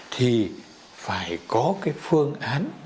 thì phải có cái phương án